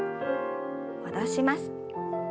戻します。